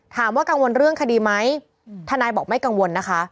กังวลเรื่องคดีไหมทนายบอกไม่กังวลนะคะ